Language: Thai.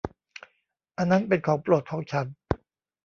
อันนั้นเป็นของโปรดของฉัน !